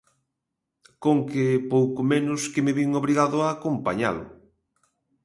Conque pouco menos que me vin obrigado a acompañalo.